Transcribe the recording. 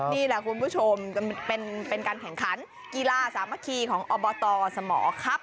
นี่แหละคุณผู้ชมเป็นการแข่งขันกีฬาสามัคคีของอบตสมครับ